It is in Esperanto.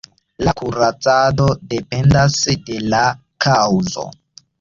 La kuracado dependas de la kaŭzo.